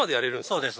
そうです。